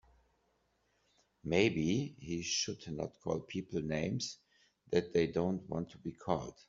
Maybe he should not call people names that they don't want to be called.